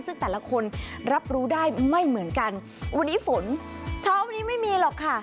ซึ่งแต่ละคนรับรู้ได้ไม่เหมือนกันวันนี้ฝนเช้าวันนี้ไม่มีหรอกค่ะ